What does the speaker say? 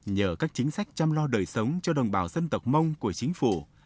nhờ các chính sách chăm lo đời sống cho đồng bào dân tộc mông của chính phủ